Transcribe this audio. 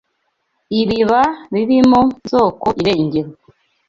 Iriba ririmo, isoko irengerwa